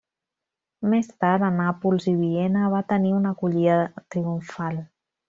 Més tard, a Nàpols i Viena, va tenir una acollida triomfal.